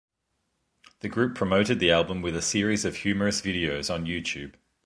The group promoted the album with a series of humorous videos on YouTube.